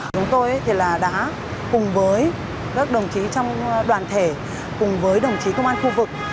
chúng tôi đã cùng với các đồng chí trong đoàn thể cùng với đồng chí công an khu vực